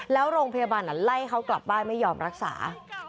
แล้วโรงพยาบาลไล่เขากลับบ้านไม่ยอมรักษา